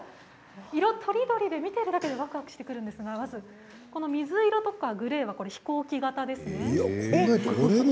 色とりどりで見てるだけでわくわくしてくるんですがまずは水色やグレーは飛行機形ですね。